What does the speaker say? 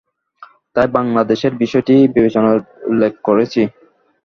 তাই বাংলাদেশের বিষয়টি বিবেচনার জন্য উল্লেখ করেছি।